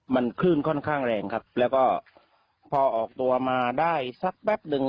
มันคลื่นค่อนข้างแรงครับแล้วก็พอออกตัวมาได้สักแป๊บหนึ่ง